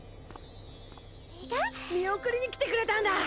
見送りに来てくれたんだ。